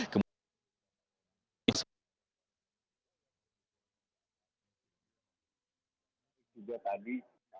kemudian ada yang sudah tadi